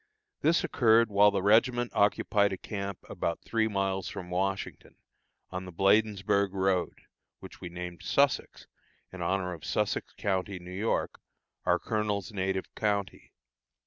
This occurred while the regiment occupied a camp about three miles from Washington, on the Bladensburg road, which we named Sussex, in honor of Sussex county, New York, our colonel's native county.